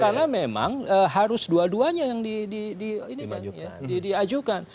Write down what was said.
karena memang harus dua duanya yang diajukan